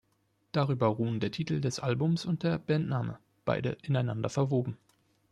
Darüber ruhen der Titel des Albums und der Bandname, beide ineinander verwoben.